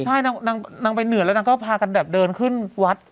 ใช่นางไปเหนื่อยแล้วนางก็พากันแบบเดินขึ้นวัด